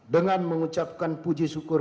dengan mengucapkan puji syukur